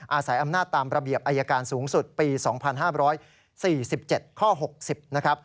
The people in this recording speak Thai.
อาศัยอำนาจตามระเบียบอายการสูงสุดปี๒๕๔๗ข้อ๖๐นะครับ